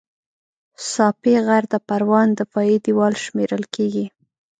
ساپی غر د پروان دفاعي دېوال شمېرل کېږي